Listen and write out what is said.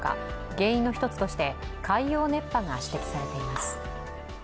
原因の一つとして、海洋熱波が指摘されています。